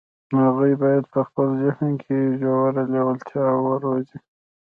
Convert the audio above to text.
هغوی بايد په خپل ذهن کې ژوره لېوالتیا وروزي.